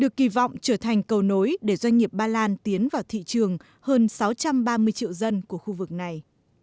được kỳ vọng trở thành cầu nối để doanh nghiệp ba lan tiến vào thị trường hơn sáu trăm ba mươi triệu dân của khu vực này